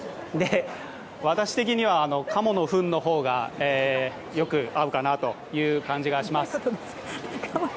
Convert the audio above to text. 私的には鴨のふんの方がよく合うかなという感じがします。